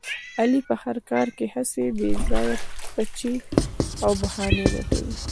علي په هر کار کې هسې بې ځایه پچې او بهانې لټوي.